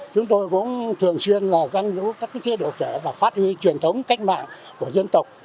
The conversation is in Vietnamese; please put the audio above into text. chúng tôi cũng thường xuyên là giam giữ các chế độ trẻ và phát huy truyền thống cách mạng của dân tộc